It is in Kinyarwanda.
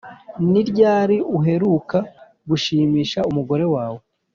ni ryari uheruka gushimisha umugore wawe?